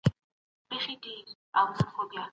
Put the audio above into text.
يو روښانه او پرمختللې ژبه.